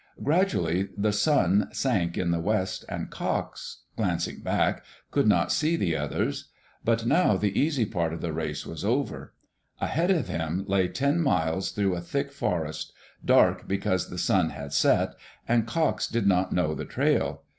Gradually the sun sank in the west, and Cox, glancing back, could not see the others. But now the easy part of the race was over. Ahead of him lay ten miles through a thick forest, dark because the sun had set, and Cox did not Digitized by CjOOQ IC AN EXCITING HORSE RACE know the trail.